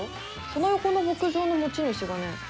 その横の牧場の持ち主がね